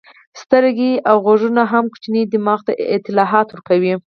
سترګې او غوږونه هم کوچني دماغ ته اطلاعات ورکوي.